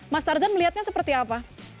mas tarzan melihatnya seperti apa